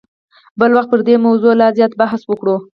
بل وخت به پر دې موضوع لا زیات بحث وکړو.